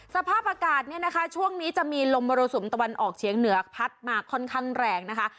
สภาพอากาศเนี่ยนะคะช่วงนี้จะมีลมมรสุมตะวันออกเฉียงเหนือพัดมาค่อนข้างแรงนะคะ